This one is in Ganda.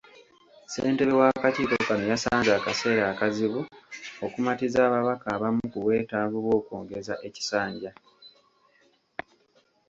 Ssentebe w’akakiiko kano yasanze akaseera akazibu okumatiza ababaka abamu ku bwetaavu bwokwongeza ekisanja.